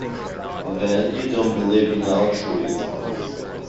Then you don't believe in altruism.